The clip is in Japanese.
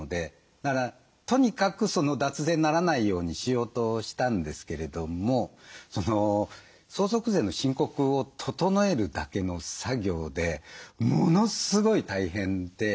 だからとにかく脱税にならないようにしようとしたんですけれども相続税の申告を整えるだけの作業でものすごい大変で。